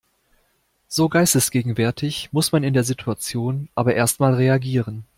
So geistesgegenwärtig muss man in der Situation aber erst mal reagieren.